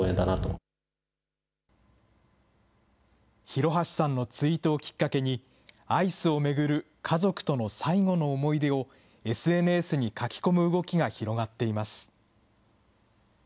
廣橋さんのツイートをきっかけに、アイスを巡る家族との最期の思い出をＳＮＳに書き込む動きが広がっています。